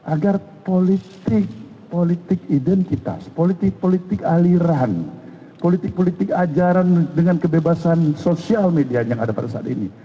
agar politik politik identitas politik politik aliran politik politik ajaran dengan kebebasan sosial media yang ada pada saat ini